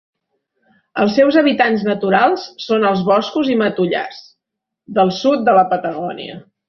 Els seus hàbitats naturals són els boscos i matollars del sud de la Patagònia.